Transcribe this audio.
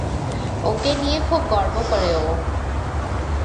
ওকে নিয়ে খুব গর্ব করে ও।